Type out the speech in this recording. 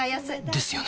ですよね